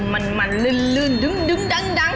มันลื่นดึงดัง